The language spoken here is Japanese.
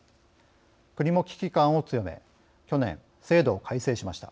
国も危機感を強め去年、制度を改正しました。